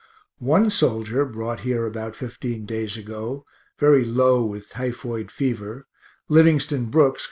One soldier brought here about fifteen days ago, very low with typhoid fever, Livingston Brooks, Co.